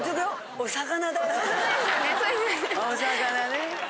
お魚ね。